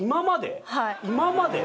今まで？